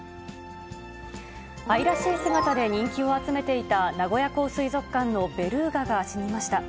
愛らしい姿で人気を集めていた名古屋港水族館のベルーガが死にました。